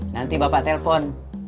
nanti bapak telpon